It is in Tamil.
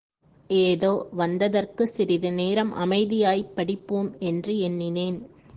ஏதோ வந்ததற்கு சிறிது நேரம் அமைதியாய்ப் படிப்போம் என்று எண்ணினேன்.